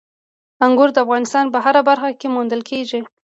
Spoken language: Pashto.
انګور د افغانستان په هره برخه کې موندل کېږي.